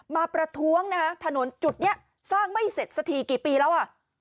มาประท้วงถนนจุดนี้สร้างไม่เสร็จสทีกี่ปีแล้ว